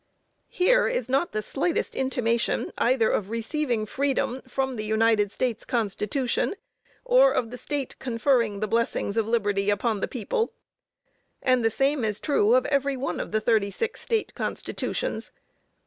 Here is not the slightest intimation, either of receiving freedom from the United States Constitution, or of the State conferring the blessings of liberty upon the people; and the same is true of every one of the thirty six State Constitutions.